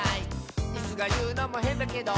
「イスがいうのもへんだけど」